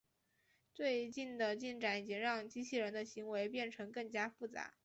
最近的进展已经让机器人的行为变成更加复杂。